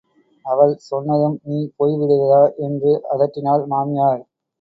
அவள் சொன்னதும் நீ போய்விடுவதா என்று அதட்டினாள் மாமியார்.